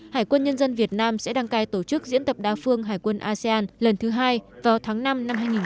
hải quân nhân dân việt nam sẽ đăng cai tổ chức diễn tập đa phương hải quân asean lần thứ hai vào tháng năm năm hai nghìn hai mươi